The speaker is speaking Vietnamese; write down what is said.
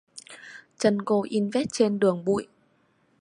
Chân cô in vết trên đường bụi